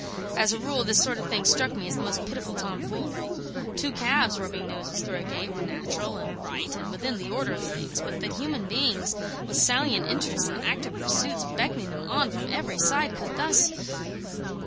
As a rule this sort of thing struck me as the most pitiful tomfoolery. Two calves rubbing noses through a gate were natural and right and within the order of things; but that human beings, with salient interests and active pursuits beckoning them on from every side, could thus